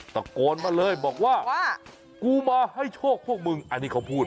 ตะโกนมาเลยบอกว่ากูมาให้โชคพวกมึงอันนี้เขาพูด